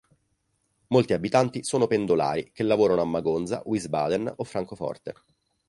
Molti abitanti sono pendolari che lavorano a Magonza, Wiesbaden, o Francoforte.